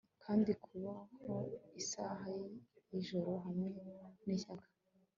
kandi kuboha isaha yijoro hamwe nishyaka